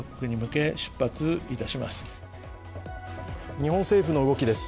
日本政府の動きです。